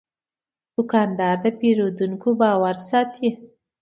دوکاندار د پیرودونکو باور ساتي.